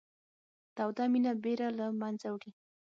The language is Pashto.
توده مینه بېره له منځه وړي